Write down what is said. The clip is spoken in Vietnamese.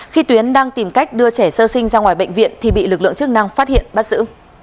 khi tuyến đang tìm cách đưa trẻ sơ sinh ra ngoài bệnh viện thì bị lực lượng chức năng phát hiện bắt giữ